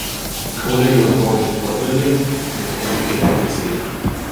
Kolyn was born in Fort William, and was educated in the city.